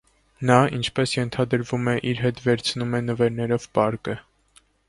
Նա, ինչպես ենթադրվում է, իր հետ վերցնում է նվերներով պարկը։